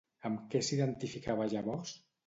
Amb què s'identificava llavors?